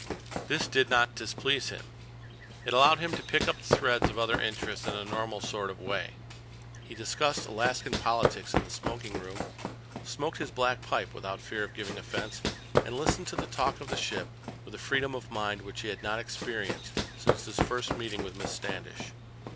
This did not displease him. It allowed him to pick up the threads of other interests in a normal sort of way. He discussed Alaskan politics in the smoking room, smoked his black pipe without fear of giving offense, and listened to the talk of the ship with a freedom of mind which he had not experienced since his first meeting with Miss Standish.